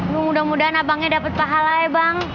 nuh mudah mudahan abangnya dapet pahala ya bang